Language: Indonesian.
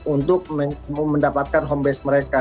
untuk mendapatkan home base mereka